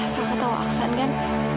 kakak tau aksan kan